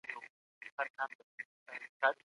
هغوی ټولنيزې پديدې وڅېړلې.